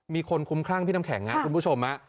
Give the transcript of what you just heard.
มีคนคุ้มคลั่งพี่น้ำแข็งคุณผู้ชม